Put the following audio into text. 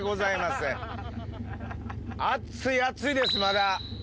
暑い暑いですまだ。